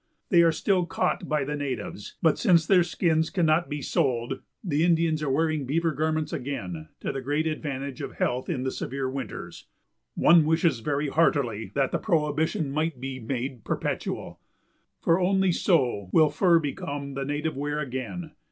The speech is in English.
They are still caught by the natives, but since their skins cannot be sold the Indians are wearing beaver garments again to the great advantage of health in the severe winters. One wishes very heartily that the prohibition might be made perpetual, for only so will fur become the native wear again.